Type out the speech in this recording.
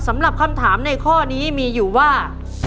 สำหรับคำถามในข้อนี้มีอยู่ว่า